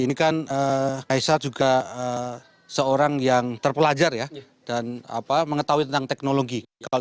ini kan kaisar juga seorang yang terpelajar ya dan mengetahui tentang teknologi